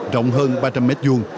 rộng hơn ba trăm linh m hai